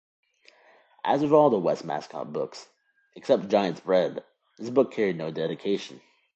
As with all the Westmacott books, except "Giant's Bread", this book carried no dedication.